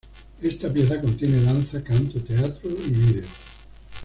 Esta pieza contiene danza, canto, teatro y video.